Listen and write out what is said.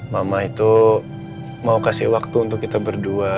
mama itu mau kasih waktu untuk kita berdua